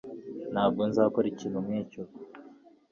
ntabwo nzakora ikintu nkicyo